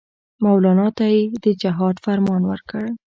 مولنا ته یې د جهاد فرمان ورکړ.